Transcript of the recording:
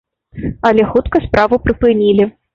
Але хутка справу прыпынілі.